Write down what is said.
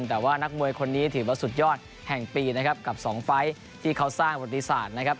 แต่ว่านักมวยคนนี้ถือว่าสุดยอดแห่งปีนะครับกับสองไฟล์ที่เขาสร้างประติศาสตร์นะครับ